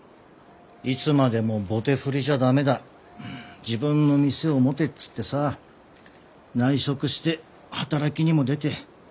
「いつまでも棒手振じゃ駄目だ自分の店を持て」っつってさ内職して働きにも出て。